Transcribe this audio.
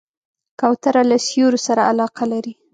کوتره له سیوریو سره علاقه لري.